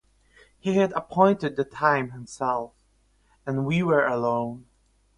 He had appointed the time himself, and we were alone.